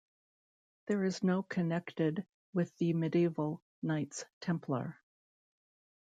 There is no connected with the Medieval Knights Templar.